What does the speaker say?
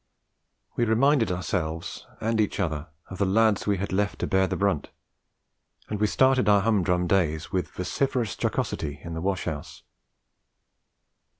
We reminded ourselves and each other of the lads we had left to bear the brunt, and we started our humdrum days with vociferous jocosity in the wash house.